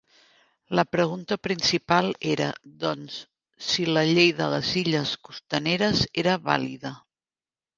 La pregunta principal era, doncs, si la "Llei de les Illes Costaneres" era vàlida.